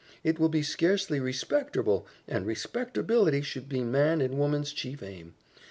It will be scarcely respecterble, and respecterbility should be man and woman's chief aim.